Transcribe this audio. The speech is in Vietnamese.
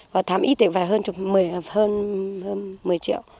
và tháng ít thì phải hơn một mươi triệu